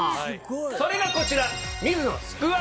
それがこちら。